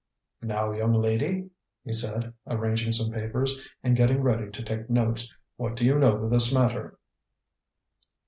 "Now, young lady," he said, arranging some papers, and getting ready to take notes, "what do you know of this matter?"